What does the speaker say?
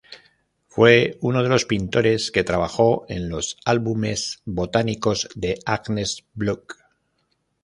Fue uno de los pintores que trabajó en los álbumes botánicos de Agnes Block.